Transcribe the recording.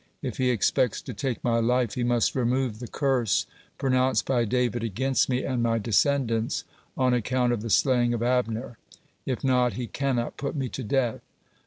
If he expects to take my life, he must remove the curse pronounced by David against me and my descendants on account of the slaying of Abner. If not, he cannot put me to death."